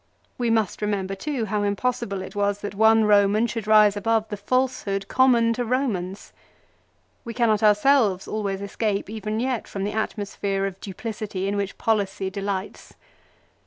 We must remember too how impossible it was that one Eoman should rise above the falsehood common to Eomans. We cannot ourselves always escape even yet from the atmosphere of duplicity in which policy delights.